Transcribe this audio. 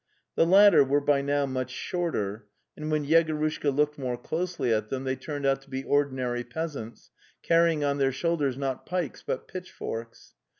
The latter were by now much shorter, and when Yegorushka looked more closely at them they turned out to be ordinary peasants, carrying on their shoulders not pikes but pitchforks.